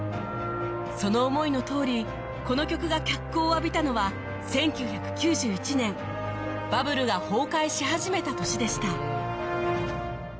その思いのとおりこの曲が脚光を浴びたのは１９９１年バブルが崩壊し始めた年でした